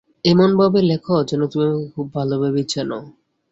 এমন ভাবে লেখ যেন, তুমি আমাকে খুব ভালোভাবেই চেনো।